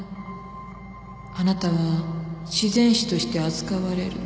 あなたは自然死として扱われる